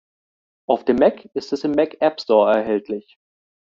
Auf dem Mac ist es im Mac App Store erhältlich.